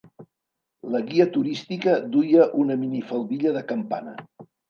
La guia turística duia una minifaldilla de campana.